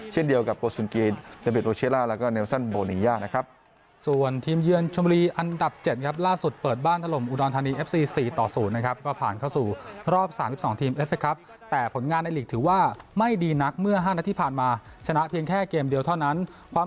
เช่นเดียวกับกษุรีอาวิทย์โรชิลาและเนลซันโบนียานะครับ